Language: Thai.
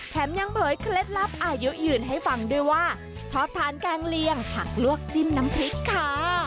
แถมยังเผยเคล็ดลับอายุยืนให้ฟังด้วยว่าชอบทานแกงเลียงผักลวกจิ้มน้ำพริกค่ะ